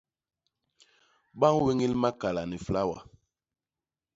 Ba ñwéñél makala ni flawa.